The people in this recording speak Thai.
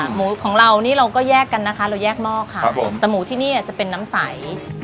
หมูของเรานี่เราก็แยกกันนะคะเราแยกหม้อค่ะครับผมแต่หมูที่นี่จะเป็นน้ำใส